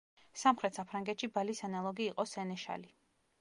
სამხრეთ საფრანგეთში ბალის ანალოგი იყო სენეშალი.